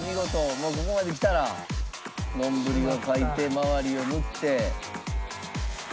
もうここまで来たら丼を描いて周りを塗って。